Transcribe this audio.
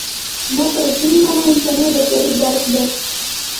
دا په رښتینې مانا انساني او بشري درک دی.